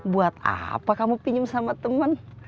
buat apa kamu pinjam sama temen